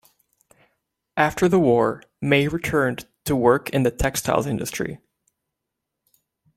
After the war, May returned to work in the textiles industry.